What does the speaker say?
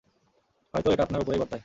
হয়তো এটা আপনার উপরেই বর্তায়।